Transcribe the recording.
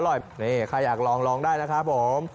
ใครอยากลองลองได้นะครับผม